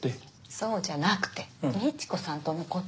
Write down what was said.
そうじゃなくてみち子さんとのこと。